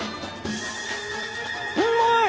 うまい！